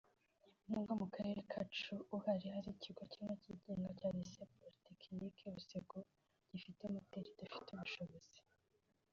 n’ubwo mu karere kacu uhari hari ikigo kimwe cyigenga cya Lycée politechnique Busengo gifite moteri idafite ubushobozi